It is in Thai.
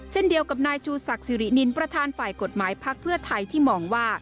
เช่นเดียวกับนายชูศักดิ์สิรินินประธานฝ่ายกฎหมายพักเพื่อไทยที่มองว่า